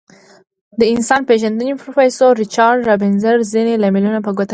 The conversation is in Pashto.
د انسان پیژندنې پروفیسور ریچارد رابینز ځینې لاملونه په ګوته کړي.